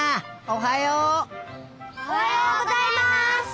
おはようございます！